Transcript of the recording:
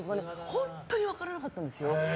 本当に分からなかったんですよ。